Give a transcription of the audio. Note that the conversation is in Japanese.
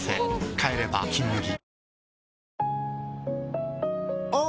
帰れば「金麦」